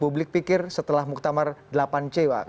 publik pikir setelah muktamar delapan c pak